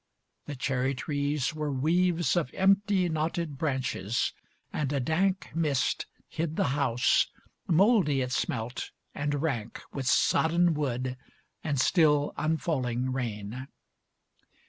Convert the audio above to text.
The cherry trees were weaves Of empty, knotted branches, and a dank Mist hid the house, mouldy it smelt and rank With sodden wood, and still unfalling rain.